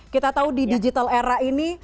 kita tahu di era digital ini